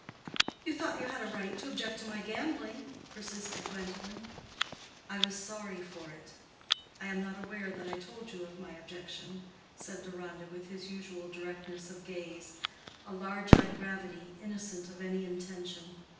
"You thought you had a right to object to my gambling," persisted Gwendolen. "I was sorry for it. I am not aware that I told you of my objection," said Deronda, with his usual directness of gaze—a large eyed gravity, innocent of any intention.